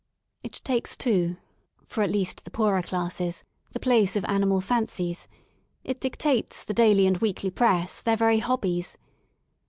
It takes, too, for at least the poorer classes, the place of animal "fancies"; it dictates, the daily and weekly press, their very hobbies.